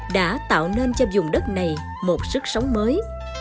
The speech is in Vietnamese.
đã tạo nên cho vùng đất này một sức sống mới